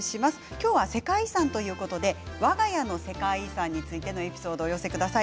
今日は世界遺産ということでわが家の世界遺産についてのエピソードをお寄せください。